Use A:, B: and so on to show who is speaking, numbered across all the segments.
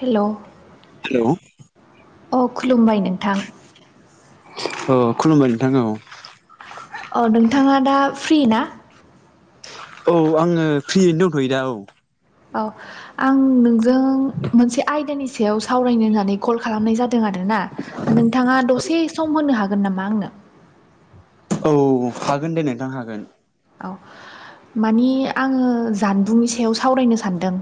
A: हेल'
B: hello औ
A: अ खुलुमबाय नोंथां
B: औ खुलुमबाय नोंथां औ
A: औ नोंथाङा दा फ्रि ना
B: औ आङो फ्रियैनो दंथ'यो दा औ
A: औ आं नोंजों मोनसे आयदानि सायाव सावरायनो होननानै कल खालामनाय जादों आरोना दा नोंथाङा दसे सम होनो हागोन नामा आंनो
B: औ हागोन दे नोंथां हागोन
A: औ मानिे आङो जानबुंनि सायाव सावरायनो सानदों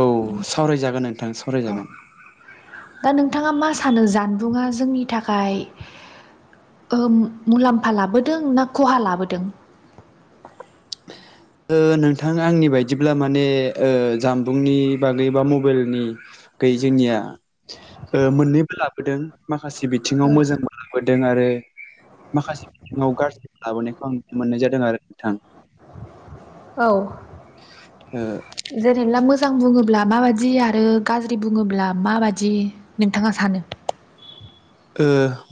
B: औ सावरायजागोन नोंथां
A: औ
B: सावरायजागोन
A: दा नोंथाङा मा सानो जानबुङा जोंनि थाखाय मुलाम्फा लाबोदों ना खहा लाबोदों [inaudible]
B: नोंथां आंनि बायदिब्ला माने जामबुंनि बागै बा मबाइलनि बागै जोंनिया मोननैबो लाबोदों माखासे बिथिङाव
A: औ
B: मोजां मोनबोदों आरो माखासे बिथिाव गाज्रि लाबोनायखौ आं मोननाय जादों आरो नोंथां
A: औ
B: ओ
A: जों जेला मोजां बुङोब्ला माबाददि आरो गाज्रि बुङोब्ला माबादि नोंथाङा सानो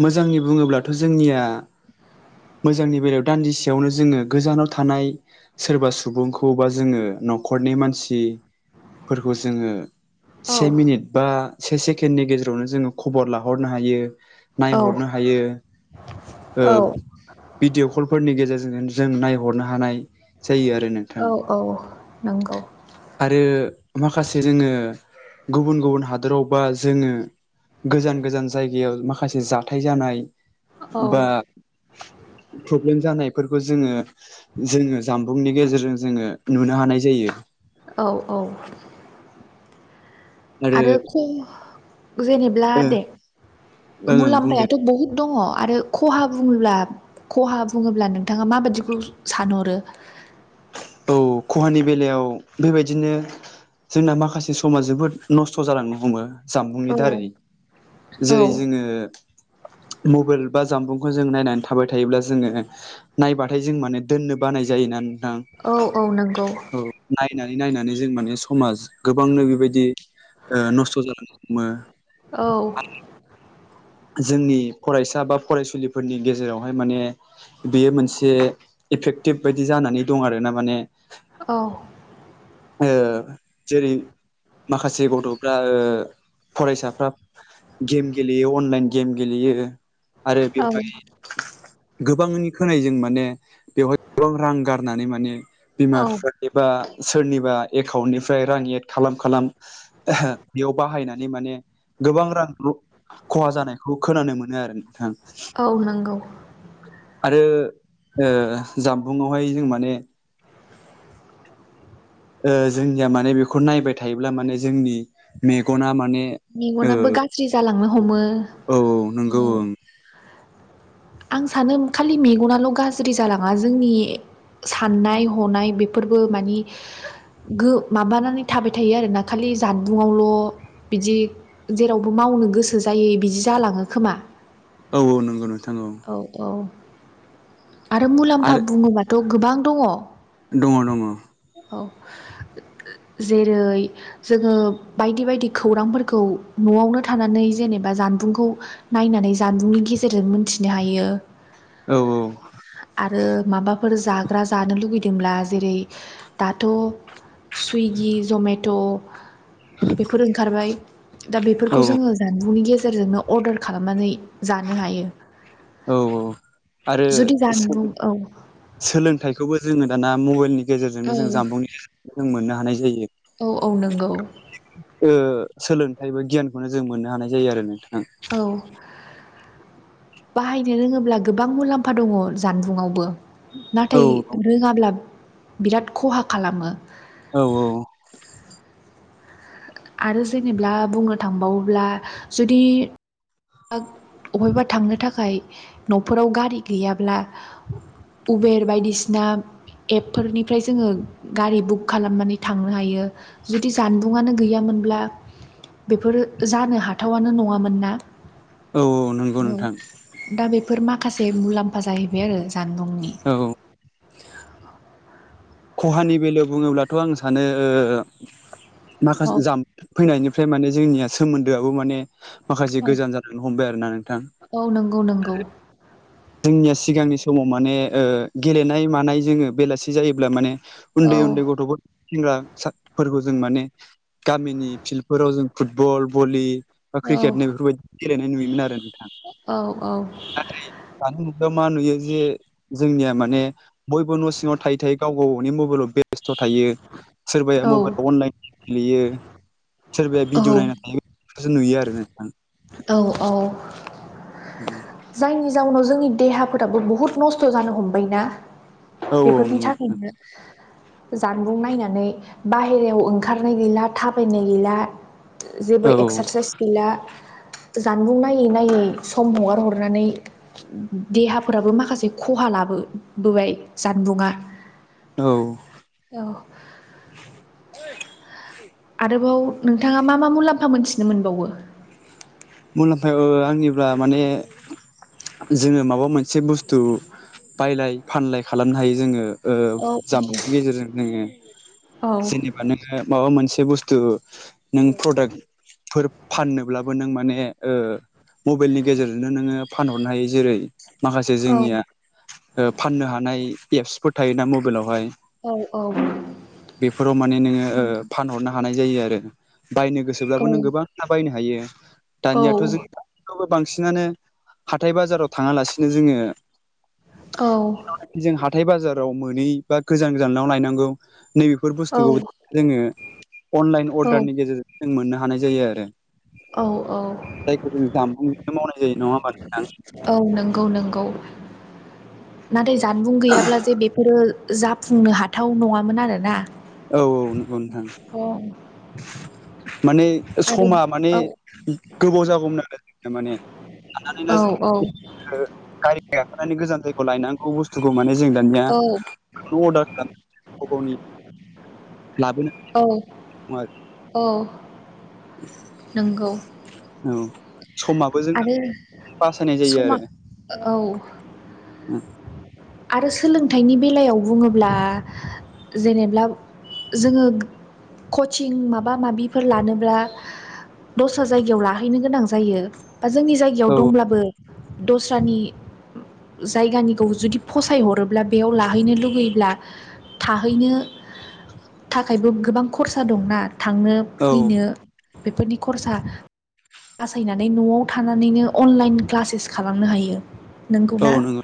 B: मोजांनि बुङोब्लाथ' जोंनिया मोजांनि बेलायाव दान्दिसेयावनो जोङो गोजानाव थानाय सोरबा सुबुंखौ बा जोङो न'खरनि मानसिफोरखौ जोङो
A: औ
B: से मिनिट बा से सेकेणडनि गेजेरावनो जोङो खबर लाहरनो हायो
A: औ
B: नायहरनो हायो
A: औ
B: भिडिअ' कलफोरनि गेजेरजों जों नायहरनो हानाय जायो आरो नोंथां
A: औ औ नंगौ
B: आरो माखासे जोङो गुबुन गुबुन हादोराव बा जोङो गोजान गोजान जायगायाव माखासे जाथाय जानाय
A: औ
B: बा प्रब्लेम जानायफोरखौ जोङो जोङो जामबुंनि गेजेरजों जोङो नुनो हानाय जायो
A: औ औ आरो जेनेब्ला
B: ओ
A: दे
B: ओं ओं बुंदों
A: मुलाम्फायाथ' बहुत दङ आरो खहा बुङोब्ला खहा बुङोब्ला नोंथाङा माबाददिखौ सानहरो उ [inaudible]
B: औ खहानि बेलायाव बेबायदिनो जोंना माखासे समा जोबोद नस्थ' जालांनो हमो जामबुंनि
A: औ
B: दारै जेरै
A: औ
B: जोङो
A: [inaudible]
B: मबाइल बा जानामबुंखौ जों नायनानै थाबाय थायोब्ला जोङो नायबाथाय जों माने दोननो बानाय जायो ना नोंथां
A: औ औ नंगौ
B: औ नायनानै नायनानै जों माने समाज गोबांनो बेबायदि नस्थ' जाो
A: औ
B: जोंनि फरायसा बा फरायसुलिफोरनि गेजेरावहाय माने बेयो मोनसे इफेक्टिभ बायदि जानानै दं आरो ना माने
A: औ
B: जेरै माखासे गथफ्रा फरायसाफ्रा गेम गेलेयो अनलाइन गेम गेलेयो आरो
A: औ
B: बेवहाय गोबांनि खोनायो जों माने बेवहाय गोबां रां गारनानै माने बिमा
A: औ
B: बिफा सोरनिबा एकाउन्टनिफ्राय रां एड खालाम खालाम बेयाव बाहायनानै माने गोबां रां खहा जानायखौ खोनानो मोनो आरो
A: औ नंगौ
B: आरो ओ जा बुङावहाय जों माने जोंनिया माने बेखौ नायबाय थायोब्ला माने जोंनि मेगना माने
A: मेगनाबो गाज्रि जालांनो हमो
B: औ नंगौ ओं
A: आं सानो खालि मेगनाल गाज्रि जालाङा जोंनि साननाय हनाय बेफोरबो माने गो माबानानै थाबाय थायो आरोना खालि ज आबुङावल बिदि जेरावबो मावनो गोसो जायो बिदि जालाङो खोमा
B: औ औ नंगौ नोंथां
A: औ औ आरो मुलाम्फा बुङोबाथ‌ गोबां दङ
B: दङ दङ
A: जेरै जोङो बायदि बायदि खौरांफोरखौ नआवनो थानानै जेनेबा जानबुंखौ नायनानै जानबुंनि नि गेजेरजों मिथिनो हायो
B: औ औ
A: आरो माबाफोर जाग्रा जानो लुबैदोंब्ला जेरै दाथ सुगि जमेट बेफोर ओंखारबाय दा
B: औ
A: बेफोरखौ जोङो जानबुंनि गेजेराव गेजेरजोंनो अर्डार खालामनानै जानो हायो
B: औ औ आरो
A: जुदि जानबुं औ
B: सोलोंथाइखौबो जोङो दाना मबाइलनि
A: औ
B: गेजेरजोंनो जों जाम्बुंनिखौ जों मोननो हानाय जायो
A: औ औ नंगौ
B: सोलोंथाइ बा गियानखौनो जों मोननो हानाय जायो आरो ना
A: औ बाहायनो रोङोब्ला गोबां मुलाम्फा दङ जानबुंआवबो
B: औ
A: नाथाय रोङाब्ला बिराद खहा खालामो
B: औ औ
A: आरो जेनोबा बुंनो थांबावोब्ला जुदि दा अबेबा थांनो थाखाय नफोराव गारि गैयाब्ला उबेर बायदिसिना एपफोरनिफ्राय जोङो गारि बुक खालामनानै थांनो हायो जुदि जानबुंआनो गैयामोन होनब्ला बेफोरो जानो हाथावनो नङामोन ना
B: औ नंगौ नोंथां
A: दा बेफोर फोर माखासे मुलाम्फा जाहैबाय आरो जानबुंनि
B: औ खहानि बेलायाव बुङोब्लाथ‌ आं सानो
A: औ
B: माखासे जाम्बुं फैनायनि ओमफ्राय माने जोंनिया सोमोन्दोआबो माने माखासे
A: औ
B: गोजान जालांनो हमबाय आरोना नोंथां।
A: औ नंगौ नंगौ
B: जोंनिया सिगांनि समाव माने ओ गेलेनाय मानाय जोङो बेलासि जायोब्ला माने
A: औ
B: उन्दै उन्दै गथ'फोर सेंग्राफोरखौ जों माने गामिनि फिल्डफोराव जों फुटबल, भलि बा
A: औ
B: क्रिकेट नै बेफोरबायदि गेलेनाय नुयोमोन आरो नोंथां
A: औ औ
B: नाथाय दा मा नुयो जे जोंनिया माने बयबो न' सिङाव थायै थायै गाव गाव गावनि मबाइलाव बे बेस्थ थायो सोरबाया
A: औ
B: मबाइलाव अनलाइन गेलेयो। सोरबाया भिडिअ नायना
A: औ
B: थायो बेखौसो नुयो आरो नोंथां।
A: औ औ जायनि जाउनाव जोंनि देहा फोराबो बुहुत नस्थ जानो हमबायनाा
B: औ औ
A: बेफोरनि
B: नंगौ नोंथां
A: थाखायनो जानबुं नायनानै बाहेरायाव ओंखारनाय गैला थाबायनाय गैला। जेबो
B: औ औ
A: एक्सारसाइस गैला जानबुं नायै नायै सम हगारहर नानै देहाफोराबो माखासे खहा लाबोबोबाय जानबुंआ।
B: औ
A: आरोबाव नोंथाङा मा मा मुलाम्फा मोनथिनो मोनबावो?
B: मुलाम्फायाव आंनिब्ला माने जोङो माबा मोनसे बुस्थु बायलाय फानलाय खालामनो हायो जोङो। ओ
A: औ
B: जामबुंनि गेजेरजों जोङो
A: औ
B: जेनेबा माबा मोनसे बे बुस्थु नों प्रडाक्फोर फाननोब्लाबो नों माने ओ मबाइलनि गेजेरजोंनो नोङो फानहरनो हायो जेरै माखासे जोंनिया
A: औ
B: फाननो हानाय एप्सफोर थायोना मबाइलावहाय
A: औ औ
B: बेफोराव माने नोङो फानहरनो हानाय जायो आरो बायनो गोसोब्लाबो नों गोबांथा बायनो हायो।
A: औ
B: दानियाथ जोंबो बांसिनानो हाथाय बाजाराव थाङालासिनो जोङो
A: औ
B: जों हाथाय बाजाराव मोनै बा गोजान गोजानाव लनायनांगौ नैबेफोर बुस्थुखौ जोङो अनलाइन
A: औ
B: अर्डारनि गेजेरजों जों मोननो हानाय जायो आरो।
A: औ औ
B: जायखौ जों जामबुंजोंनो मावनाय जायो नङा होमबा नोंथां
A: औ नंगौ नंगौ। नाथाय जानबुं गैयाब्ला जे बेफोरो जाफुंनो हाथाव नङामोन आरोना।
B: औ औ नंगौ नोंथां।
A: अ
B: माने
A: आरो
B: समा माने
A: औ
B: गोबाव जागौमोन आरो माने। लानानै दा
A: औ औ
B: जों गारि गाखोनानै गोजान जायगायाव लायनांगौ बुस्थुखौ माने जों दानिया
A: औ
B: [unintelligible] गाव गावनि लाबोनो हानाय
A: औ
B: नङा
A: औ नोंगौ।
B: औ समाबो जों [inaudible] बासायनाय जायो
A: समा
B: आरो।
A: औ
B: उम
A: आरो सोलोंथाइनि बेलायाव बुङोब्ला जेनेब्ला जोङो कचिं माबा माबिफोर लानोब्ला दस्रा जायगायाव लाहैनो गोनां जायो। बा जोंनि जायगायाव
B: औ
A: दंब्लाबो दस्रानि जायगानिखौ जुदि फसायहरोब्ला बेयाव लाहैनो लुगैयोब्ला थाहैनो थाखायबो गोबां खरसा दंना थांनो
B: औ
A: फैनो बेफोरनि खरसा बासायनानै न'आव थानानैनो अनलाइन क्लासेस खालामनो हायो। नोंगौ
B: औ
A: ना?
B: नंगौ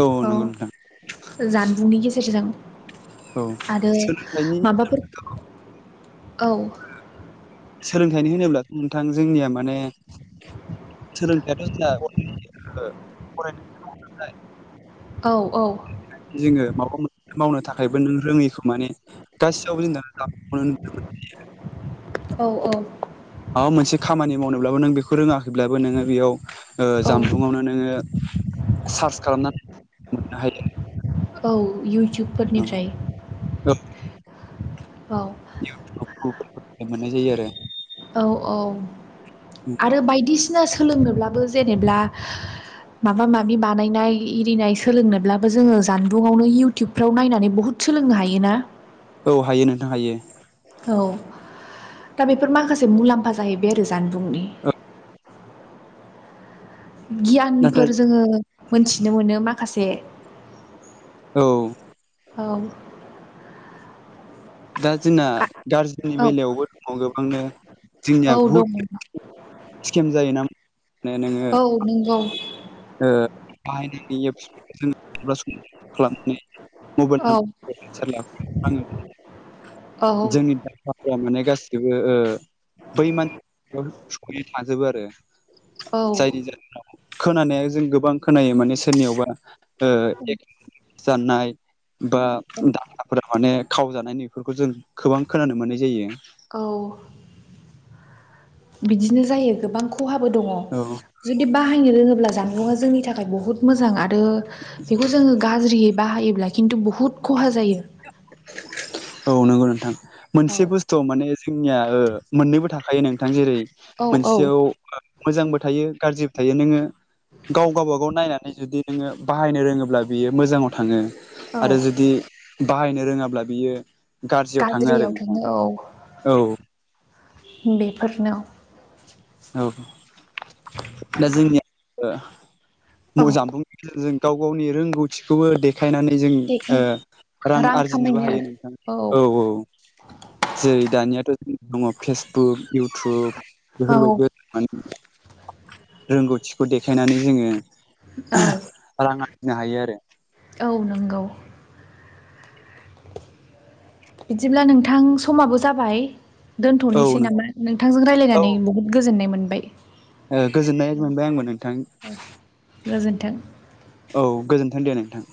B: औ नंगौ नोंथां
A: औ जानबुंनि गेजेरजों।
B: औ
A: आरो
B: सोलोंथाइनि
A: माबाफोर औ
B: सोलोंथाइनि होनोब्लाथ नोंथां जोंनिया माने सोलोंथाइथ जोंना अर [unintelligible]
A: औ औ
B: जोङो माबा मोन मावनो थाखायबो नों रोङिखौ माने गासियावबो जों लानो नुदों
A: औ औ
B: मोनसे खामानि मावनोब्लाबो नों बेखौ रोङाखैब्लाबो नोङो बेयाव
A: औ
B: जानबुंङावनो नोङो सार्च खालामनानै मोननो हायो
A: औ
B: औ
A: इउटुबफोरनिफ्राय
B: [inaudible]
A: औ
B: इउटुब गुगोल मोननाय जायो आरो
A: औ औ आरो बायदिसिना सोलोंनोब्लाबो जेनेब्ला माबा माबि बानायनाय एरिनाय सोलोंनोब्लाबो जोङो जानबुंङावनो इयउटुबफ्राव नायनानै बुहुद सोलोंनो हायोना
B: औ हायो नोंथां हायो
A: औ दा बेफोर माखासे मुलाम्फा जाहैबाय आरो जानबुंनि
B: औ नाथाय
A: गियानफोर जोङो मोनथिनो मोनो माखासे
B: औ
A: औ
B: दा जोंना
A: आ
B: गारजेननि
A: औ
B: बेलायावबो दङ गोबांनो
A: औ
B: जोंनिया
A: दङ
B: बुहुत स्किम जायोना
A: औ नंगौ
B: बाहायनानै
A: औ औ
B: [unintelligible] जोंनि दाया माने गासिबो बै मानसि हाजोबो आरो जायनि जाहोनाव खोनानाय जों गोबां खोनायो माने सोरनियावबा जानाय बा दानाफोरा माने खावजानाय नफोरखौ जों गोबां खोनानो मोननाय जायो
A: औ बिदिनो जायो गोबां खहाबो दङ
B: औ
A: जुदि बाहायनो रोङोब्ला जानबुंआ जोंनि थाखाय बहुत मोजां आरो बेखौ जोङो गाज्रि बाहायोब्ला किन्थु बुहुत खहा जायो
B: औ नंगौ नोंथां
A: औ
B: मोनसे बुस्थु माने जोंनिया मोननैबो थाखायो नोंथां जेरै
A: औ औ
B: मोनसेयाव मोजांबो थायो गाज्रिबो थायो नोङो गाव गावबागाव नायनानै जुदि नोङो बाहायनो रोङोब्ला बियो मोजाङाव थाङो आरो
A: औ
B: जुदि बाहायनो रोङाब्ला बियो गाज्रियाव थाङो आरो नोंथां औ
A: बेफोरनो
B: औ दा जोंनिया
A: औ
B: जामबुं जों गाव गावनि रोंगौथिखौबोे देखायनानै जों
A: देखाय
B: रां आरजिनोबो हायो नोंथाङा औ औ जेरै दानियाथ जों दङ फेसबुक इउटुब
A: औ
B: बेफोरबायदि रोंगौथिखौ देखायनानै जोङो
A: औ
B: रां आरजिनो हायो आरो
A: औ नंगौ बिदिब्ला नोंथां समाबो जाबाय
B: औ
A: दोनथनोसै
B: नों
A: नामा नोंथांजों
B: औ
A: रायज्लायनानै बहुद गोजोननाय मोनबाय
B: गोजोननाय मोनबाय आंबो नोंथां
A: गोजोन्थों
B: औ गोजोन्थों दे नोंथां